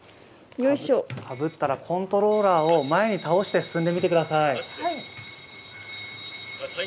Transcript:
かぶったらコントローラーを前に倒して進んでみてください。